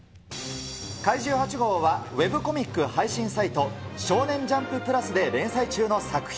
怪獣８号は、ウェブコミック配信サイト少年ジャンプ＋で連載中の作品。